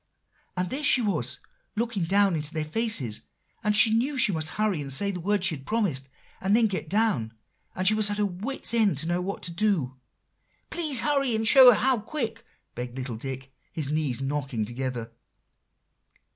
"And there she was, looking down into their faces, and she knew she must hurry and say the words she had promised, and then get down; and she was at her wits' end to know what to do." "Please hurry, and show her how quick," begged little Dick, his knees knocking together.